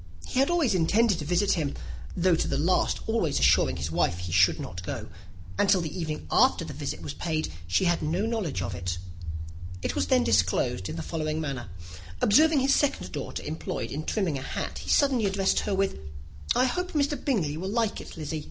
He had always intended to visit him, though to the last always assuring his wife that he should not go; and till the evening after the visit was paid she had no knowledge of it. It was then disclosed in the following manner. Observing his second daughter employed in trimming a hat, he suddenly addressed her with, "I hope Mr. Bingley will like it, Lizzy."